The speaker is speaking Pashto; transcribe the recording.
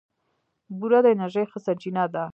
بوره د انرژۍ ښه سرچینه ده.